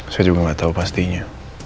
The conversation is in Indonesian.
saya juga gak tau pastinya